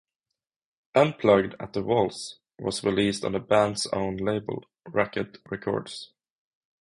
"Unplugged At The Walls" was released on the band's own label, Racket Records.